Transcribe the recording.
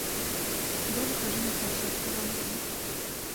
Я выхожу на площадку вагона.